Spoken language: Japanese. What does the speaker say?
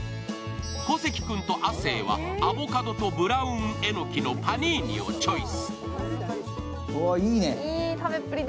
小関君と亜生はアボカドとブラウン・エノキのパニーニをチョイス。